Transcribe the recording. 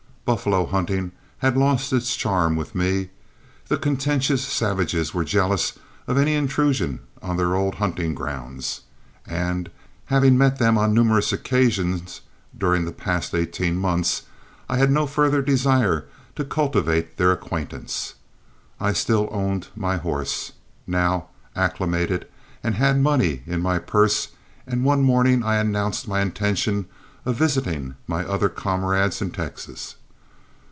Buffalo hunting had lost its charm with me, the contentious savages were jealous of any intrusion on their old hunting grounds, and, having met them on numerous occasions during the past eighteen months, I had no further desire to cultivate their acquaintance. I still owned my horse, now acclimated, and had money in my purse, and one morning I announced my intention of visiting my other comrades in Texas.